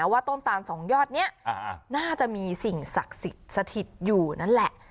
ว่าต้นตานสองยอดนี้น่าจะมีสิ่งศักดิ์สิทธิ์สถิตอยู่นั่นแหละ